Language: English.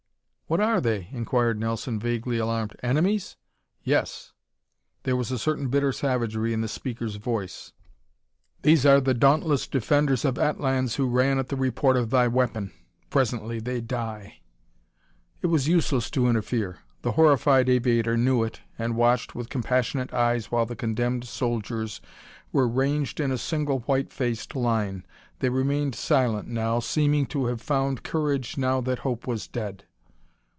"What are they?" inquired Nelson, vaguely alarmed. "Enemies?" "Yes." There was a certain bitter savagery in the speaker's voice. "These are the dauntless defenders of Atlans who ran at the report of thy weapon. Presently they die." It was useless to interfere. The horrified aviator knew it and watched with compassionate eyes while the condemned soldiers were ranged in a single, white faced line. They remained silent now, seeming to have found courage now that hope was dead.